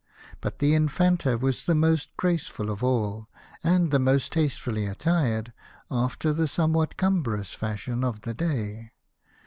But the Infanta was the most graceful of all, and the most tastefully attired, after the somewhat cumbrous fashion of the day.